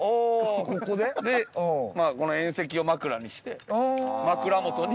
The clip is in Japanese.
この縁石を枕にして枕元に。